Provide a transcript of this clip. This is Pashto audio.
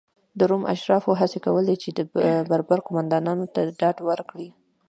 د روم اشرافو هڅې کولې چې بربر قومندانانو ته ډاډ ورکړي.